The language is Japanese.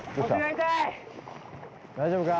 大丈夫か？